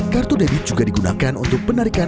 kartu debit juga digunakan untuk penarikan